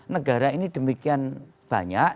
negara ini demikian banyak